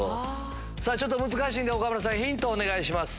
ちょっと難しいんで岡村さんヒントをお願いします。